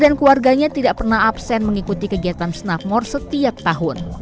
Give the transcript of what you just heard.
sebagai warga asli biak elisa tahu betul cara menangkap ikan di laut bermodalkan alat tangkap snapmort